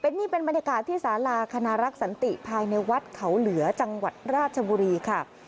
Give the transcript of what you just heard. นี่เป็นบรรยากาศที่สาราคณรักสันติภายในวัดเขาเหลือจังหวัดราชบุรีค่ะ